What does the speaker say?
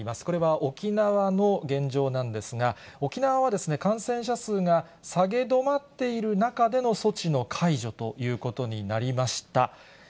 これは沖縄の現状なんですが、沖縄はですね、感染者数が下げ止まっている中での措置の解除ということになりました。